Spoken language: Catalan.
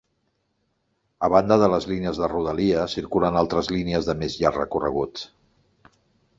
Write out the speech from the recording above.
A banda de les línies de Rodalia, circulen altres línies de més llarg recorregut.